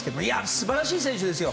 素晴らしい選手ですよ。